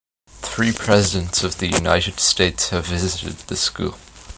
Three Presidents of the United States have visited the school.